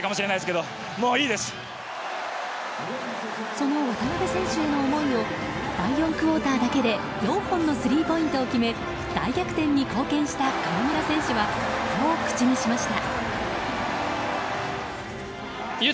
その渡邊選手への思いを第４クオーターだけで４本のスリーポイントを決め大逆転に貢献した河村選手はこう口にしました。